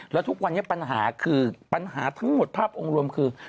แล้วทุกวันนี้ปัญหาคือปัญหาทั้งหมดภาพองค์รวมคือ